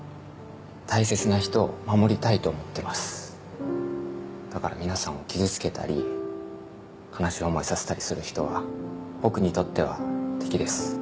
大切な人を守りたいと思ってますだから皆さんを傷つけたり悲しい思いさせたりする人は僕にとっては敵です